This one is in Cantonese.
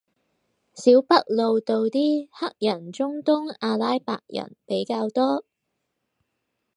小北路度啲黑人中東阿拉伯人比較多